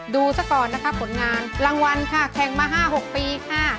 ซะก่อนนะคะผลงานรางวัลค่ะแข่งมา๕๖ปีค่ะ